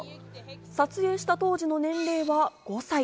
撮影した当時の年齢は５歳。